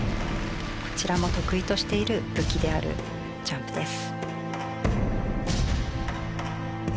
こちらも得意としている武器であるジャンプです。